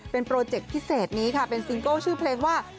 เป็นโปรเจคพิเศษนี้ค่ะเป็นซิงเกิลชื่อเพลงว่า